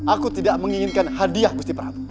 aku tidak menginginkan hadiah gusti perhati